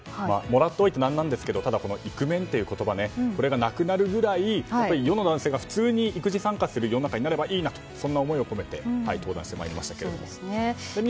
もらっておいて何なんですがイクメンという言葉がなくなるくらい世の男性が普通に育児参加する世の中になればいいなという思いを込めて登壇してきました。